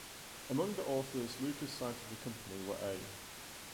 Among the authors Lucas signed to the company were A.